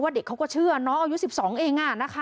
เด็กเขาก็เชื่อน้องอายุ๑๒เอง